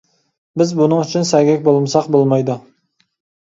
بىز بۇنىڭ ئۈچۈن سەگەك بولمىساق بولمايدۇ.